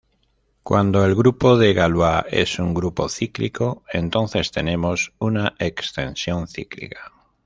Cuando el grupo de Galois es un grupo cíclico, entonces tenemos una extensión cíclica.